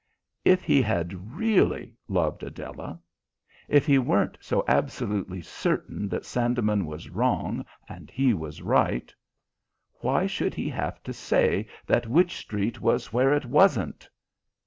If he had really loved Adela if he weren't so absolutely certain that Sandeman was wrong and he was right why should he have to say that Wych Street was where it wasn't?